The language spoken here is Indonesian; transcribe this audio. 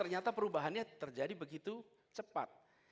ternyata perubahannya terjadi begitu cepat